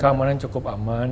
keamanan cukup aman